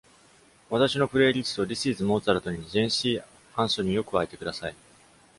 私のプレイリスト This Is Mozart に、Jency Anthony を加えてください。